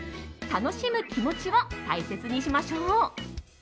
楽しむ気持ちを大切にしましょう。